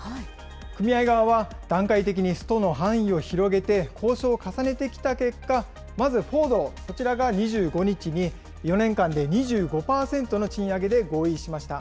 組合側は段階的にストの範囲を広げて、交渉を重ねてきた結果、まずフォード、こちらが２５日に、４年間で２５％の賃上げで合意しました。